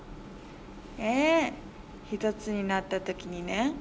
『ええ、ひとつになったときにね。